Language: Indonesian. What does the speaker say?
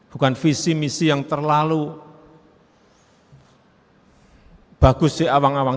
bukan visi misi yang terlalu bagus di awang awang